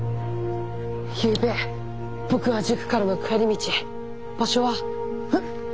ゆうべ僕は塾からの帰り道場所はふっ！